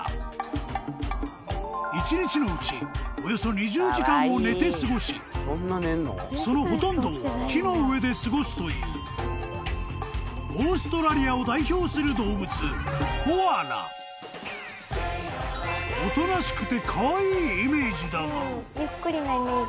［一日のうちおよそ２０時間を寝て過ごしそのほとんどを木の上で過ごすというオーストラリアを代表する動物］［イメージだが］